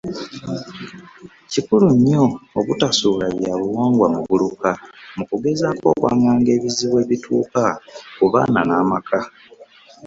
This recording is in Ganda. Kikulu nnyo obutasuula bya buwangwa muguluka mu kugezaako okwanganga ebizibu ebituuka ku baana n’amaka.